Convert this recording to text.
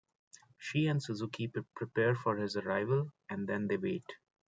She and Suzuki prepare for his arrival, and then they wait.